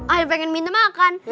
aku pengen minta makan